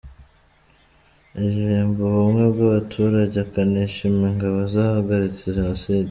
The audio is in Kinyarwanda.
Aririmba ubumwe bw’abaturage akanashima ingabo zahagaritse Jenoside.